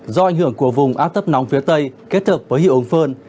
do ảnh hưởng của vùng áp tấp nóng phía tây kết thực với hiệu ống phơn